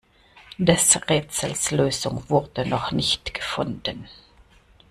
Des Rätsels Lösung wurde noch nicht gefunden.